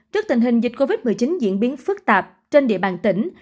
trước tình hình dịch covid một mươi chín diễn biến phức tạp trên địa bàn tỉnh